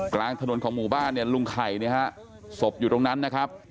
กลางถนนของหมู่บ้านเนี่ยลุงไข่เนี่ยฮะศพอยู่ตรงนั้นนะครับ